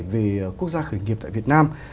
về quốc gia khởi nghiệp tại việt nam